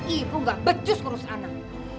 ibu gak becus ngurus anak